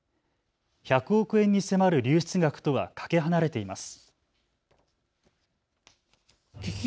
１００億円に迫る流出額とはかけ離れています。